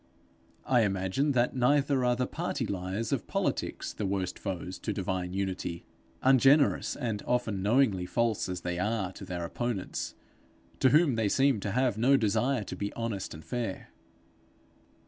I imagine also that neither are the party liars of politics the worst foes to divine unity, ungenerous, and often knowingly false as they are to their opponents, to whom they seem to have no desire to be honest and fair.